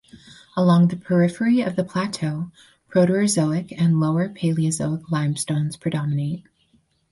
Along the periphery of the plateau Proterozoic and Lower Paleozoic limestones predominate.